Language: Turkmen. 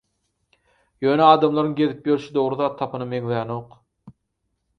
Ýöne adamlaryň gezip ýörşi dogry zat tapana meňzänok.